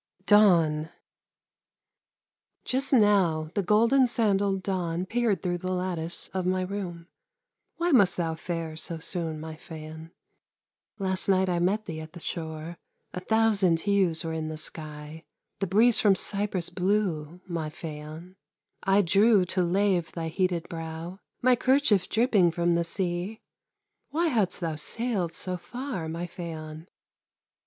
DAWN Just now the golden sandalled Dawn Peered through the lattice of my room; Why must thou fare so soon, my Phaon? Last night I met thee at the shore, A thousand hues were in the sky; The breeze from Cyprus blew, my Phaon! I drew, to lave thy heated brow, My kerchief dripping from the sea; Why hadst thou sailed so far, my Phaon?